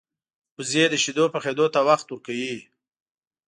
وزې د شیدو پخېدو ته وخت ورکوي